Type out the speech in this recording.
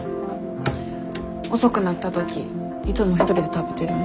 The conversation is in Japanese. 遅くなった時いつも一人で食べてるん？